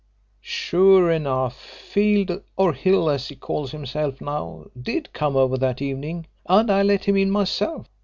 "Sure enough, Field or Hill as he calls himself now did come over that evening and I let him in myself.